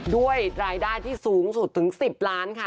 ด้วยรายได้ที่สูงสุดถึง๑๐ล้านค่ะ